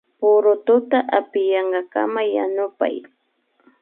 Purututa apiyankakaman yanupay